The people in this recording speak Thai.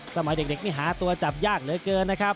สมัยเด็กนี่หาตัวจับยากเหลือเกินนะครับ